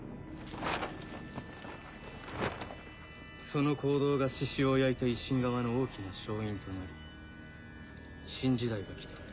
その行動が志々雄を焼いた維新側の大きな勝因となり新時代が来た。